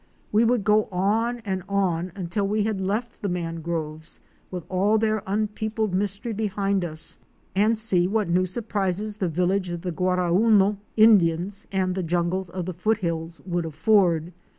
We would go on and on until we had left the mangroves with all their un peopled mystery behind us, and see what new surprises the villages of the Guarauno (War ah oo'no) Indians and the jungles of the foot hills would afford.